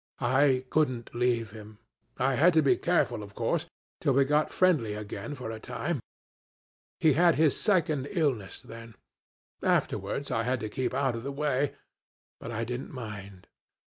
I couldn't leave him. I had to be careful, of course, till we got friendly again for a time. He had his second illness then. Afterwards I had to keep out of the way; but I didn't mind.